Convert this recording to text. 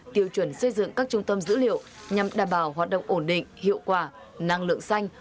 tiêu chuẩn xây dựng các trung tâm dữ liệu nhằm đảm bảo hoạt động ổn định hiệu quả năng lượng xanh